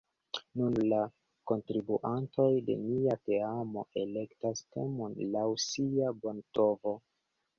Nun la kontribuantoj de nia teamo elektas temon laŭ sia bontrovo.